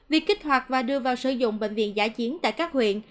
việc kích hoạt và đưa vào sử dụng bệnh viện giả chiến tại các huyện